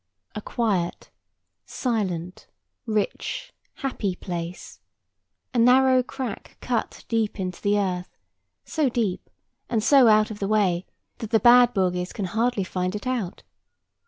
A quiet, silent, rich, happy place; a narrow crack cut deep into the earth; so deep, and so out of the way, that the bad bogies can hardly find it out.